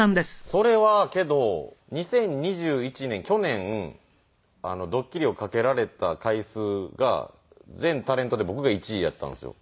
それはけど２０２１年去年ドッキリをかけられた回数が全タレントで僕が１位やったんですよ。